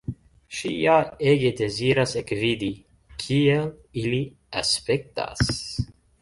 Ŝi ja ege deziras ekvidi, kiel ili aspektas.